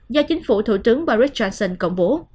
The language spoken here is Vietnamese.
do chính phủ thủ tướng boris johnson công bố